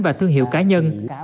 và thương hiệu cá nhân